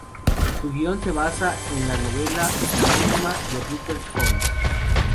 Su guion se basa en la novela homónima de Rupert Holmes.